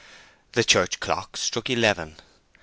The church clock struck eleven.